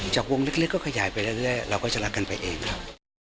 จากวงลึกก็ขยายไปเรื่อยเราก็จะรักกันไปเองครับ